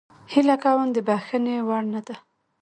هیله کوم د بخښنې وړ نه ده